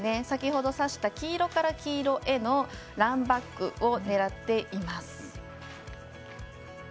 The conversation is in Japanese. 先ほど指した黄色から黄色へのランバックを狙っています。